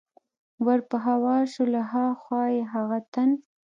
ور په هوا شو، له ها خوا یې هغه تن.